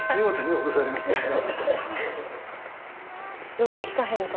ロック聴かへんか。